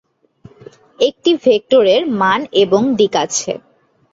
একটি ভেক্টরের মান এবং দিক আছে।